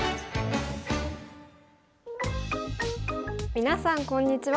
皆さんこんにちは。